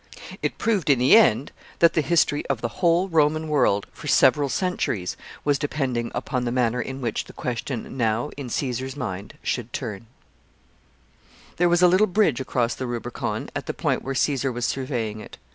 It proved, in the end, that the history of the whole Roman world, for several centuries, was depending upon the manner in which the question new in Caesar's mind should turn. [Sidenote: Story of the shepherd trumpeter.] There was a little bridge across the Rubicon at the point where Caesar was surveying it.